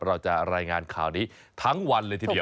เราจะรายงานข่าวนี้ทั้งวันเลยทีเดียว